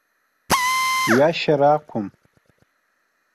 Ҩашьара ақәым.